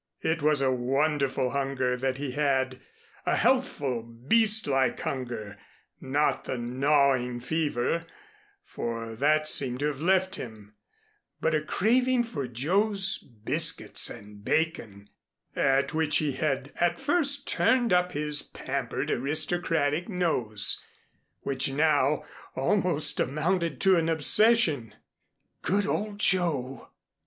It was a wonderful hunger that he had, a healthful, beastlike hunger not the gnawing fever, for that seemed to have left him, but a craving for Joe's biscuits and bacon (at which he had at first turned up his pampered aristocratic nose), which now almost amounted to an obsession. Good old Joe!